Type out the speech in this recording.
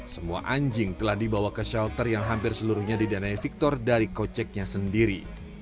semua anjing telah dibawa ke shelter yang hampir seluruhnya didanai victor dari koceknya sendiri